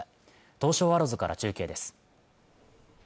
東証アローズから中継です